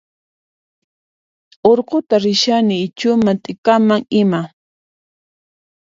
Urqutan rishani ichhuman t'ikaman ima